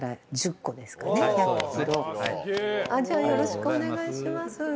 よろしくお願いします。